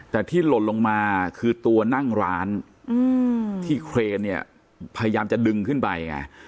แต่ที่หล่นลงมาคือตัวนั่งร้านที่เครนเนี่ยพยายามจะดึงขึ้นไปไง